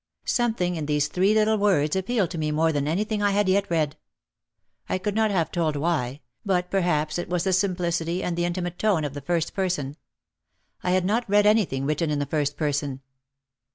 Something in these three little words appealed to me more than anything I had yet read. I could not have told why, but perhaps it was the simplicity and the inti mate tone of the first person. I had not yet read anything written in the first person.